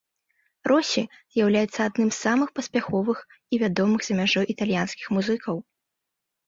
Росі з'яўляецца адным з самых паспяховых і вядомых за мяжой італьянскіх музыкаў.